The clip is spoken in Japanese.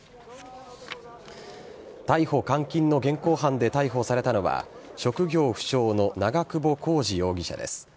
逮捕監禁の現行犯で逮捕されたのは職業不詳の長久保浩二容疑者です。